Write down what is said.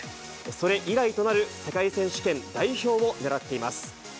それ以来となる世界選手権代表を狙っています。